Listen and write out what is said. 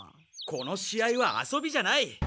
この試合は遊びじゃない！